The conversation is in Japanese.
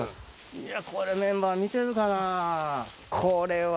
いや、これメンバー見てるかな。